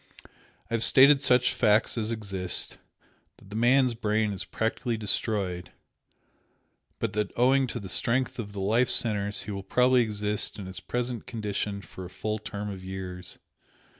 I have stated such facts as exist that the man's brain is practically destroyed but that owing to the strength of the life centres he will probably exist in his present condition for a full term of years.